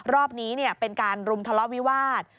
รอบนี้เป็นการรุมทะเลาะวิวาส